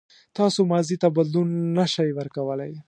تاسو ماضي ته بدلون نه شئ ورکولای.